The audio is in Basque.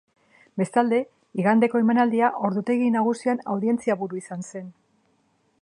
Bestalde, igandeko emanaldia ordutegi-nagusian audientzia buru izan zen.